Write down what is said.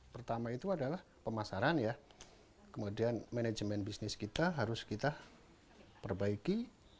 pertama itu adalah pemasaran ya kemudian manajemen bisnis kita harus kita perbaiki